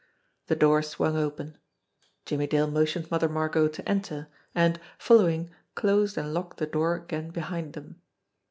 The door swung open. Jimmie Dale motioned Mother Margot to enter, and, following, closed and locked the door again behind them.